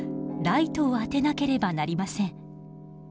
ライトを当てなければなりません。